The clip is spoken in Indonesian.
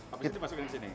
habis ini masukkan ke sini